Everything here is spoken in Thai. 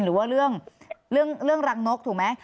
หรือว่าเรื่องรังนกถูกไหม